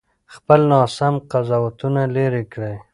خپل ناسم قضاوتونه لرې کړئ.